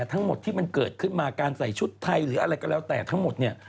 ทั้งหมดที่มันเกิดขึ้นมาการใส่ชุดไทยหรืออะไรก็แล้วแต่ทั้งหมดเนี่ย